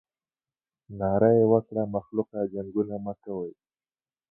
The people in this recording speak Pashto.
ناره یې وکړه مخلوقه جنګونه مه کوئ.